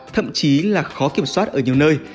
thậm chí là khó kiểm soát ở nhiều nơi